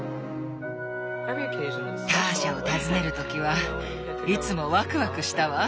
ターシャを訪ねる時はいつもワクワクしたわ。